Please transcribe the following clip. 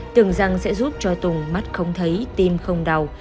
tưởng rằng sẽ giúp cho tùng mắt không thấy tim không đau